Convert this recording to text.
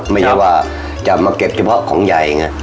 ไม่ใช่ว่าจะมาเก็บเฉพาะของใหญ่ไง